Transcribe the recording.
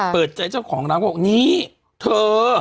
เปิดใจเจ้าของร้านก็บอกนี่เธอ